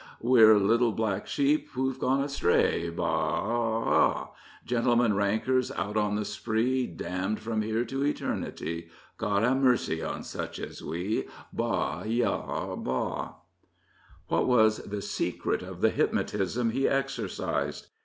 We're little black sheep who've gone astray, Baa aa a! Gentlemen rankers out on the spree, Damned from here to Eternity, God ha' mercy on such as we, Baa! Yah! Bahl What was the secret of the hypnotism he exercised?